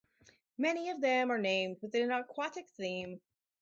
Many of them are named with an aquatic theme.